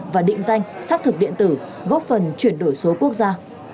và định danh xác thực điện tử góp phần chuyển đổi số quốc gia